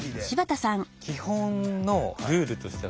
基本のルールとしては。